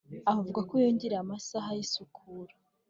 Avuga ko yongereye amasaha y’isukura